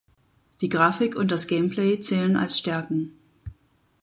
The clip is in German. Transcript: Die Grafik und das Gameplay zählen als Stärken.